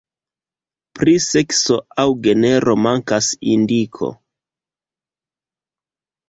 Pri sekso aŭ genro mankas indiko.